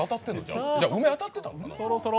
うめ当たってたんかな。